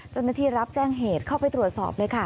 เจ้าหน้าที่รับแจ้งเหตุเข้าไปตรวจสอบเลยค่ะ